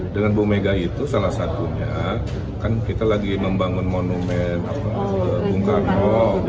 dengan bu mega itu salah satunya kan kita lagi membangun monumen bung karno